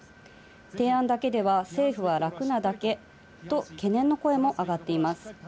提案だけでは政府は楽なだけと懸念の声も上がっています。